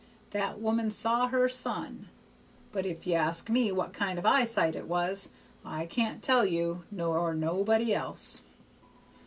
That woman saw her son; but if you ask me what kind of eyesight it was, I can't tell you, nor nobody else."